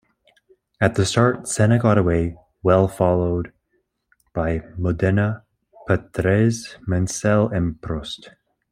At the start, Senna got away well followed by Modena, Patrese, Mansell, and Prost.